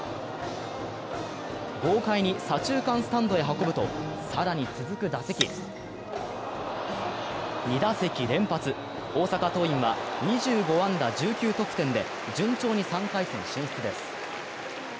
豪快に左中間スタンドへ運ぶと更に続く打席、２打席連発、大阪桐蔭は２５安打１９得点で順調に３回戦進出です。